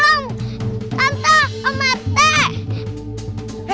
tolong tante pak rete